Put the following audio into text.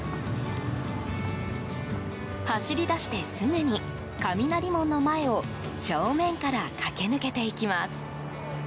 走り出してすぐに、雷門の前を正面から駆け抜けていきます。